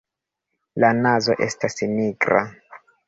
La nazo estas nigra.